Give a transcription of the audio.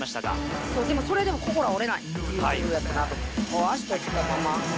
でもそれでも心は折れない余裕やったなと思います。